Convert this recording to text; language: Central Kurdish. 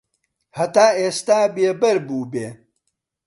هەتا ئێستا بێبەر بووبێ